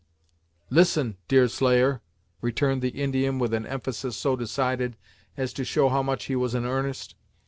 "Listen, Deerslayer," returned the Indian with an emphasis so decided as to show how much he was in earnest.